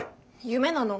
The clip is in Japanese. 夢なの。